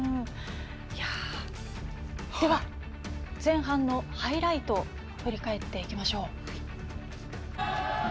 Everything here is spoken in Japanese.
では、前半のハイライト振り返っていきましょう。